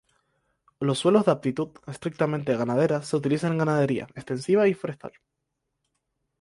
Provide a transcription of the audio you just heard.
Los suelos de aptitud estrictamente ganadera se utilizan en ganadería extensiva y en forestal.